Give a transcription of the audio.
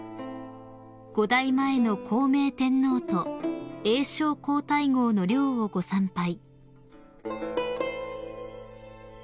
［五代前の孝明天皇と英照皇太后の陵をご参拝］